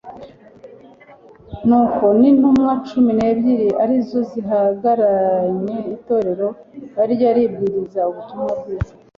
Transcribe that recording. niko n'intumwa cumi n'ebyiri arizo zihagaranye itorero ari aryo ribwiriza ubutumwa bwiza.